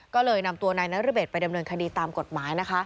ก็เลยนำตัวนายนรเบศไปดำเนินคดีตามกฎหมายนะคะ